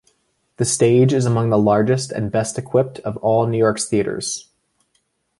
The stage is among the largest and best-equipped of all of New York's theaters.